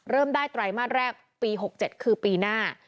เริ่มได้ไตรมาสแรกปี๖๗คือปีหน้า